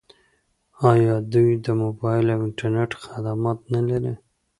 آیا دوی د موبایل او انټرنیټ خدمات نلري؟